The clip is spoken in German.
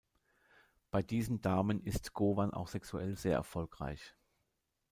Bei diesen Damen ist Gowan auch sexuell sehr erfolgreich.